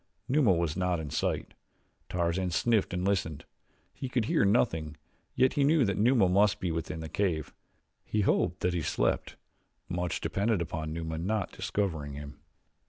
Numa was not in sight. Tarzan sniffed and listened. He could hear nothing, yet he knew that Numa must be within the cave. He hoped that he slept much depended upon Numa not discovering him.